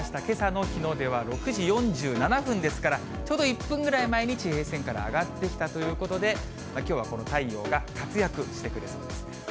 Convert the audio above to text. けさの日の出は６時４７分ですから、ちょうど１分ぐらい前に地平線から上がってきたということで、きょうはこの太陽が活躍してくれそうです。